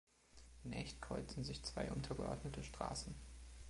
In Echt kreuzen sich zwei untergeordnete Straßen.